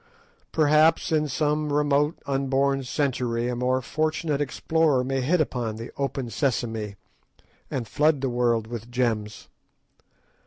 Perhaps, in some remote unborn century, a more fortunate explorer may hit upon the "Open Sesame," and flood the world with gems.